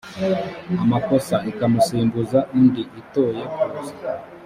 amakosa ikamusimbuza undi itoye kuza